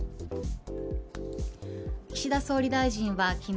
岸田総理大臣は昨日